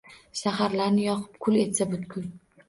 Shaharlarni yoqib, kul etsa butkul